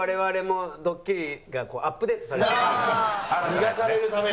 磨かれるための。